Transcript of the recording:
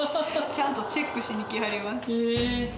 ちゃんとチェックしに来はります。